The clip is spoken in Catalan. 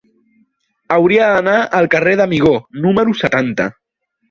Hauria d'anar al carrer d'Amigó número setanta.